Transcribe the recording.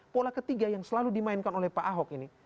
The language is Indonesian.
pola ketiga yang selalu dimainkan oleh pak ahok ini